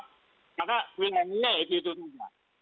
karena wilayah wilayah itu itu saja